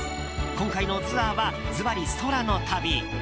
今回のツアーはずばり空の旅。